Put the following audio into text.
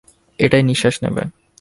এটায় নিশ্বাস নেবে।